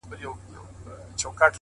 ليلا مجنون؛